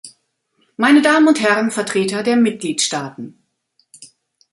Meine Damen und Herren Vertreter der Mitgliedstaaten!